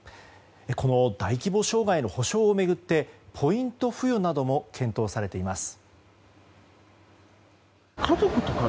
この大規模障害の補償を巡ってポイント付与なども検討されています。